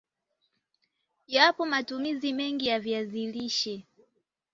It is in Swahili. Yapo matumizi mengi ya viazi lishe